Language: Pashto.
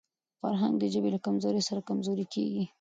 فرهنګ د ژبي له کمزورۍ سره کمزورې کېږي.